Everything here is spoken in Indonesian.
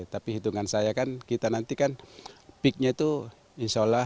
tapi hitungan saya kan kita nanti kan peaknya itu insya allah